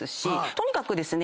とにかくですね